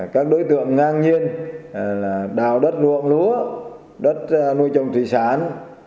các đối tượng ngang nhiên là đào đất ruộng lúa đất nuôi trồng thủy sản